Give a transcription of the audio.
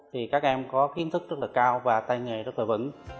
thì các em có kiến thức rất là cao và tay nghề rất là vững